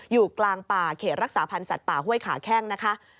อยู่กลางป่าเขตรักษาพันธ์สัตว์ป่าห้วยขาแข้งนะคะ